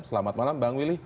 selamat malam bang willy